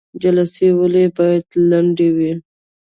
جلسې ولې باید لنډې وي؟